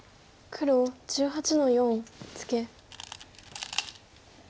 黒１８の四ツケ。